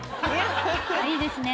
いいですね。